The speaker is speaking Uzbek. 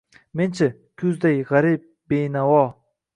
Men-chi, kuzday gʼarib, benavo